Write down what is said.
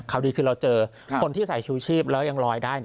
ดีคือเราเจอคนที่ใส่ชูชีพแล้วยังลอยได้